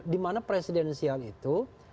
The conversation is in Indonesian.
di mana presidensial itu